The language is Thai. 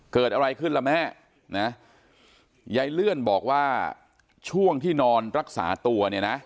เกิดอะไรขึ้นล่ะแม่นะยายเลื่อนบอกว่าช่วงที่นอนรักษาตัวเนี่ยนะ